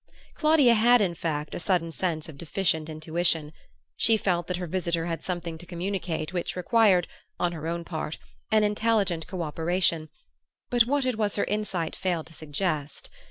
Claudia had in fact a sudden sense of deficient intuition. She felt that her visitor had something to communicate which required, on her own part, an intelligent co operation; but what it was her insight failed to suggest.